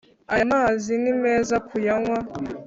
Aya mazi ni meza kuyanywa